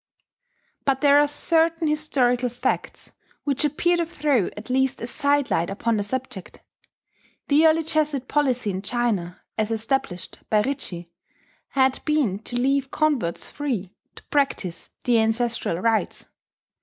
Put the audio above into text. But there are certain historical facts which appear to throw at least a side light upon the subject. The early Jesuit policy in China, as established by Ricci, had been to leave converts free to practise the ancestral rites.